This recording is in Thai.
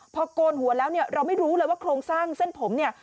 พอโกนหัวแล้วเนี่ยเราไม่รู้เลยว่าโครงสร้างเส้นผมเนี่ย